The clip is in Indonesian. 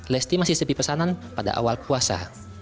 lesti masih sepi pesanan pada awal puasa